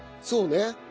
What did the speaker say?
そうね。